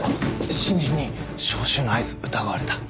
新人に招集の合図疑われた。